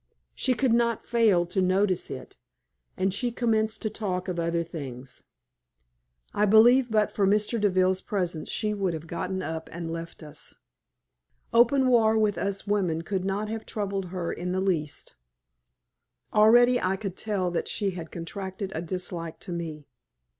She could not fail to notice it, and she commenced to talk of other things. I believe but for Mr. Deville's presence she would have got up and left us. Open war with us women could not have troubled her in the least. Already I could tell that she had contracted a dislike to me.